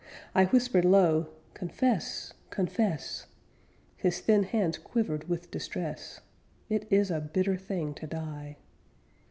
I whispered low, 'Confess, confess!' His thin hands quivered with distress. It is a bitter thing to die.